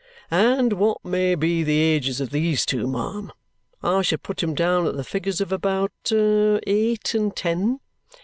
And what may be the ages of these two, ma'am? I should put 'em down at the figures of about eight and ten."